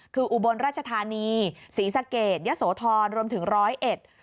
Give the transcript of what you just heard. คืออุบลราชธานีศรีสะเกดยะโสธรรวมถึงร้อยเอ็ด